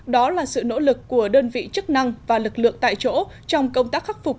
đó là sự nỗ lực của đơn vị chức năng và lực lượng tại chỗ trong công tác khắc phục